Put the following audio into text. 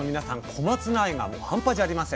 小松菜愛がハンパじゃありません。